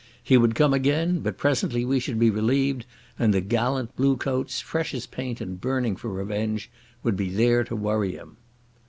He would come again, but presently we should be relieved and the gallant blue coats, fresh as paint and burning for revenge, would be there to worry him.